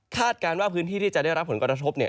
คาดการณ์ว่าพื้นที่ที่จะได้รับผลกรทบ